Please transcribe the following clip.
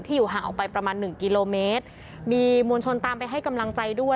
อยู่ห่างออกไปประมาณหนึ่งกิโลเมตรมีมวลชนตามไปให้กำลังใจด้วย